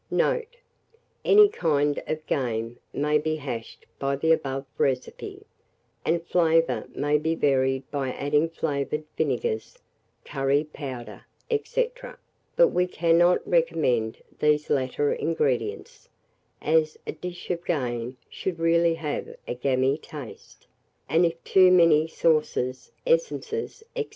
Note. Any kind of game may be hashed by the above recipe, and the flavour may be varied by adding flavoured vinegars, curvy powder, &c. but we cannot recommend these latter ingredients, as a dish of game should really have a gamy taste; and if too many sauces, essences, &c.